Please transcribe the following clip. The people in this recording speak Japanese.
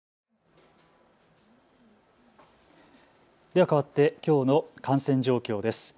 ではかわってきょうの感染状況です。